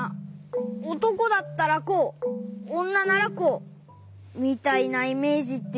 「おとこだったらこうおんなならこう」みたいなイメージっていうか。